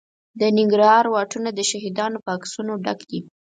د ننګرهار واټونه د شهیدانو په عکسونو ډک دي.